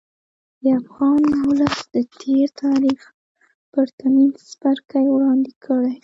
د افغان ولس د تېر تاریخ پرتمین څپرکی وړاندې کړي.